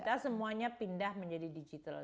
kita semuanya pindah menjadi digital